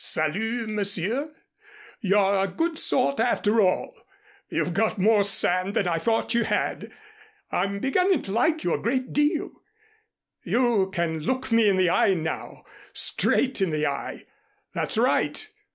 "Salut! Monsieur! You're a good sort after all! You've got more sand than I thought you had. I'm beginning to like you a great deal. You can look me in the eye now, straight in the eye. That's right.